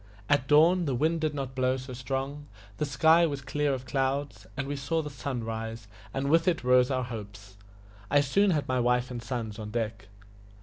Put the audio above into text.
At dawn the wind did not blow so strong, the sky was clear of clouds, and we saw the sun rise, and with it rose our hopes. I soon had my wife and sons on deck.